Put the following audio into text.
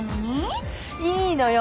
いいのよ